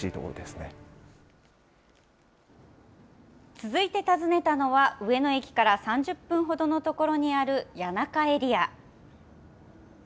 続いて訪ねたのは、上野駅から３０分ほどの所にある谷中エリア。